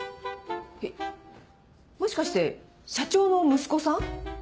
えっもしかして社長の息子さん？